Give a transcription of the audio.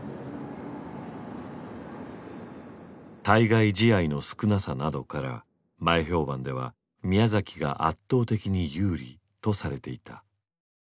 対外試合の少なさなどから前評判では宮崎が圧倒的に有利とされていた。